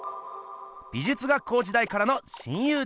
美術学校時代からの親友でした。